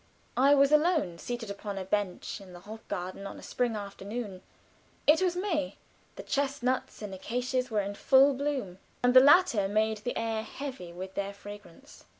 I was alone, seated upon a bench in the Hofgarten, on a spring afternoon. It was May; the chestnuts and acacias were in full bloom, and the latter made the air heavy with their fragrance.